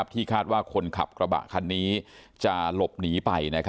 ที่คาดว่าคนขับกระบะคันนี้จะหลบหนีไป